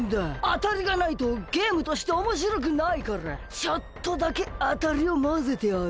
あたりがないとゲームとしておもしろくないからちょっとだけあたりをまぜてある。